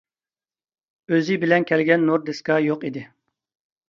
ئۇزى بىلەن كەلگەن نۇر دىسكا يوق ئىدى.